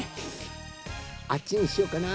あっちにしようかな？